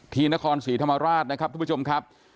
ที่นครศรีธรรมราชนะครับทุกผู้ชมครับ